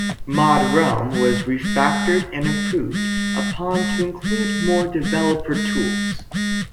ModRealm was refactored and improved upon to include more developer tools.